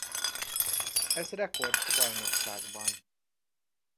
Ez rekord a bajnokságban.